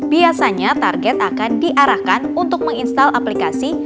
biasanya target akan diarahkan untuk menginstal aplikasi